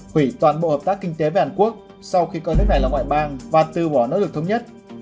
hủy toàn bộ hợp tác kinh tế về hàn quốc sau khi cơ hội này là ngoại bang và từ bỏ nỗ lực thống nhất